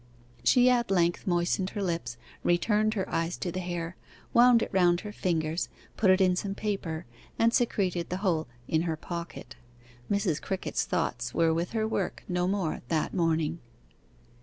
She at length moistened her lips, returned her eyes to the hair, wound it round her fingers, put it in some paper, and secreted the whole in her pocket. Mrs. Crickett's thoughts were with her work no more that morning.